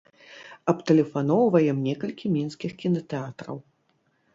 Абтэлефаноўваем некалькі мінскіх кінатэатраў.